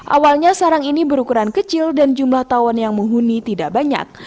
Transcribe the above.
awalnya sarang ini berukuran kecil dan jumlah tawon yang menghuni tidak banyak